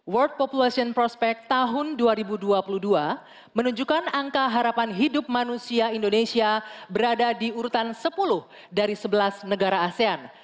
world population prospect tahun dua ribu dua puluh dua menunjukkan angka harapan hidup manusia indonesia berada di urutan sepuluh dari sebelas negara asean